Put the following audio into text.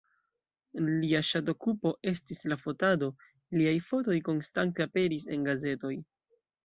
Lia ŝatokupo estis la fotado, liaj fotoj konstante aperis en gazetoj.